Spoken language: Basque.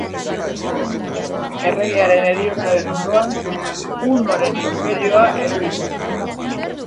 Erregearen heriotzaren ondoan, hunoen inperioa erori zen.